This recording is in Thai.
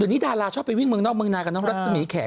เดี๋ยวนี้ดาราชอบไปวิ่งเมืองนอกเมืองนากับน้องรัศมีแขก